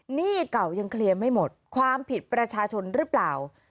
หนี้เก่ายังเคลียร์ไม่หมดความผิดประชาชนหรือเปล่า